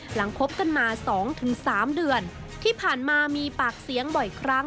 หลังคบกันมาสองถึงสามเดือนที่ผ่านมามีปากเสียงบ่อยครั้ง